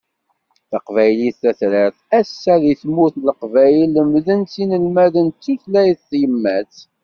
Taqbaylit tatrart, ass-a, deg tmurt n Leqbayel lemden-tt yinelmaden d tutlayt n tyemmat.